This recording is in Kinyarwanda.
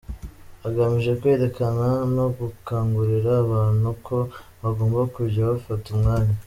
agamije kwereka no gukangurira abantu ko bagomba kujya bafata umwanya.